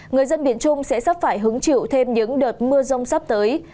người dân miền trung sẽ sắp phải hứng chịu thêm những đợt mưa rông sắp tới